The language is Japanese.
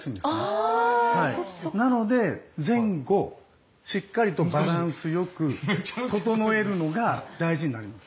あ！なので前後しっかりとバランスよく整えるのが大事になります。